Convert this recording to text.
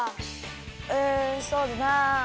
うんそうだな。